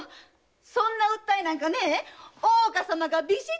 そんな訴えなんかね大岡様がビシッと！